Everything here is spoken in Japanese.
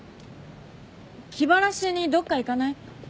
気晴らしにどっか行かない？